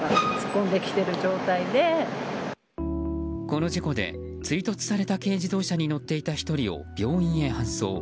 この事故で追突された軽自動車に乗っていた１人を病院へ搬送。